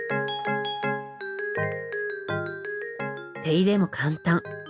手入れも簡単。